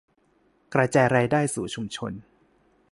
กระจายรายได้สู่ชุมชน